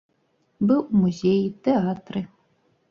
Быў у музеі, тэатры.